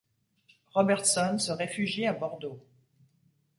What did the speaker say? Robertson se réfugie à Bordeaux.